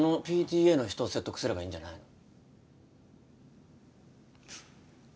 そのＰＴＡの人を説得すればいいんじゃないの？